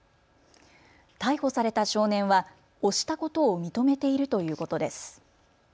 逮捕された少年は押したことを認めているということです。